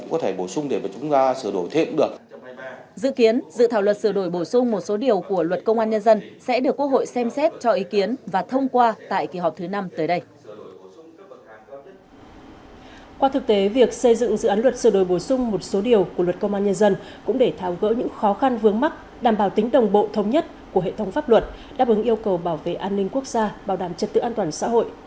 qua thực tế việc xây dựng dự án luật sửa đổi bổ sung một số điều của luật công an nhân dân cũng để thảo gỡ những khó khăn vướng mắt đảm bảo tính đồng bộ thống nhất của hệ thống pháp luật đáp ứng yêu cầu bảo vệ an ninh quốc gia bảo đảm trật tự an toàn xã hội